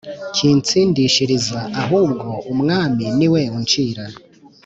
kintsindishiriza ahubwo Umwami ni we uncira